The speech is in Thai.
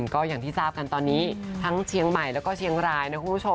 ก็อย่างที่ทราบกันตอนนี้ทั้งเชียงใหม่และเชียงราย